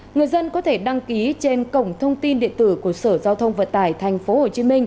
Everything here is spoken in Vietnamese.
người dân có thể đăng ký trên cổng thông tin điện tử của sở giao thông vận tải tp hcm